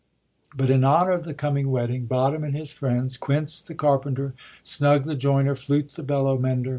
But, in honour of the coming wedding. Bottom and his friends — Quince the carpenter. Snug the joiner. Flute the bellows mender.